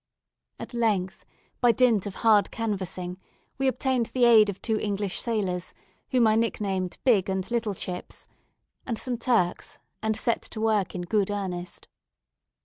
At length, by dint of hard canvassing, we obtained the aid of two English sailors, whom I nicknamed "Big and Little Chips," and some Turks, and set to work in good earnest.